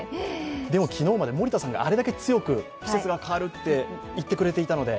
でも昨日まで森田さんがあれだけ強く、季節が変わると言ってくれていたので。